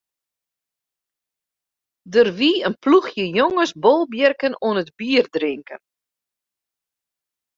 Der wie in ploechje jonges bolbjirken oan it bierdrinken.